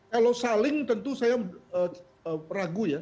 kalau saling tentu saya ragu ya